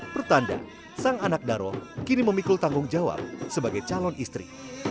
pertanda sang anak daro kini memikul tanggung jawab sebagai calon istri